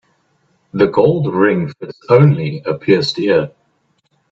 The gold ring fits only a pierced ear.